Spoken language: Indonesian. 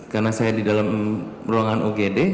karena saya di dalam ruangan ugd